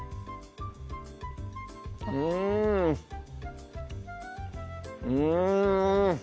うんうん！